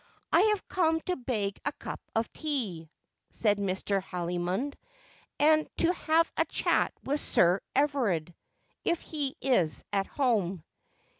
' I have come to beg a cup of tea,' said Mr. Haldimond, 'and to have a chat with Sir Everard, if be is at home.'